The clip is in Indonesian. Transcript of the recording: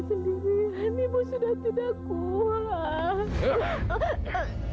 terima kasih banyak ribuan